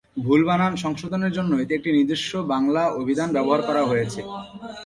ভুল বানান সংশোধনের জন্য এতে একটি নিজস্ব বাংলা অভিধান ব্যবহার করা হয়েছে।